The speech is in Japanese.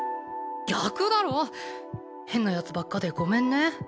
逆だろ変なヤツばっかでごめんね